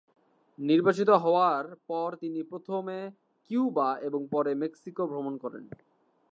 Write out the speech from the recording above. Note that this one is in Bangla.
নির্বাসিত হওয়ার পর তিনি প্রথমে কিউবা এবং পরে মেক্সিকো ভ্রমণ করেন।